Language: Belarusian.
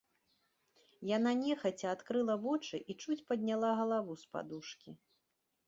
Яна нехаця адкрыла вочы і чуць падняла галаву з падушкі.